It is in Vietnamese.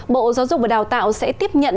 bộ giáo dục và đào tạo sẽ tiếp nhận